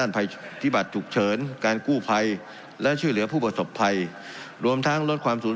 ในการป้องกันและพุนภูตรสาถนภัย